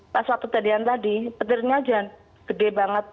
pas waktu kejadian tadi petirnya aja gede banget